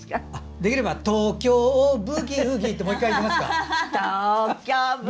できれば「東京ブギウギ」って、もう１回いけますか。